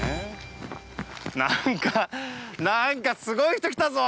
なんか、なんかすごい人来たぞ。